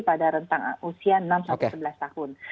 pada rentang usia enam sebelas tahun